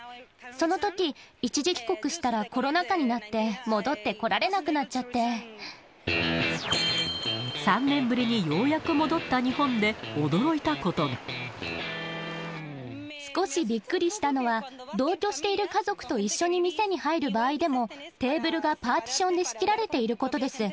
そのとき、一時帰国したらコロナ禍になって、３年ぶりにようやく戻った日少しびっくりしたのは、同居している家族と一緒に店に入る場合でも、テーブルがパーティションで仕切られていることです。